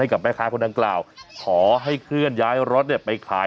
กับแม่ค้าคนดังกล่าวขอให้เคลื่อนย้ายรถไปขาย